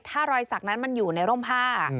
ถ้ารอยสักนั้นมันอยู่ในร่มผ้า